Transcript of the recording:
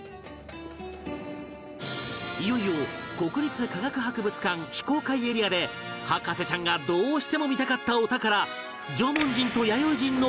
いよいよ国立科学博物館非公開エリアで博士ちゃんがどうしても見たかったお宝縄文人と弥生人の骨とご対面！